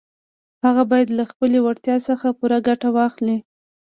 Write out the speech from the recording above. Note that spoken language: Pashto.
هغه بايد له خپلې وړتيا څخه پوره ګټه واخلي.